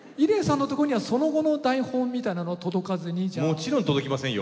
もちろん届きませんよ。